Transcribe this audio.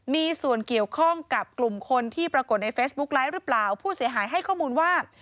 มีส่วนเกี่ยวข้องกับกลุ่มคนที่ปรากฏในเฟซบุ๊กไลฟ์หรือเปล่าผู้เสียหายให้ข้อมูลว่า